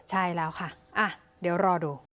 ใช่แล้วค่ะเดี๋ยวรอดู